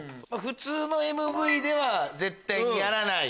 普通のＭＶでは絶対にやらない。